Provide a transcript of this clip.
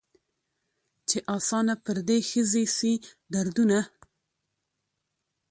چي آسانه پر دې ښځي سي دردونه